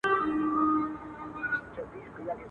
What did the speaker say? ویل کوچ دی له رباته د کاروان استازی راغی.